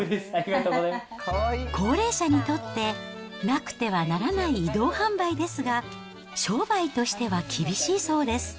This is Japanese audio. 高齢者にとって、なくてはならない移動販売ですが、商売としては厳しいそうです。